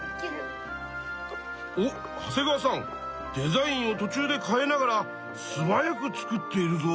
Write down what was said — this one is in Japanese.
おっ長谷川さんデザインをとちゅうで変えながらすばやく作っているぞ。